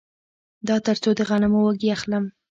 دا تر څو د غنمو وږي واخلم